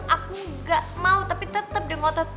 aku gak mau tapi tetap dia kotot